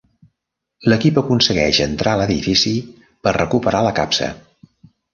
L'equip aconsegueix entrar a l'edifici per recuperar la capsa.